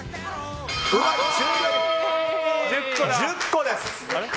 １０個です！